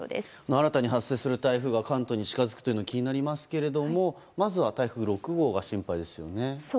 新たに発生する台風が関東に接近するというのは気になりますけれどもまずは台風６号が心配ですね。